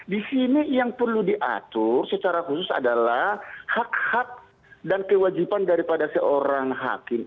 di sini yang perlu diatur secara khusus adalah hak hak dan kewajiban daripada seorang hakim